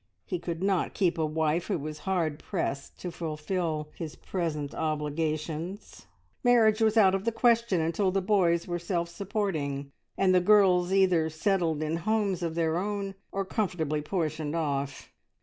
He could not keep a wife who was hard pressed to fulfil his present obligations; marriage was out of the question until the boys were self supporting, and the girls either settled in homes of their own, or comfortably portioned off.